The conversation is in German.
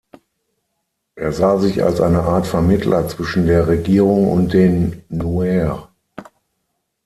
Er sah sich als eine Art Vermittler zwischen der Regierung und den Nuer.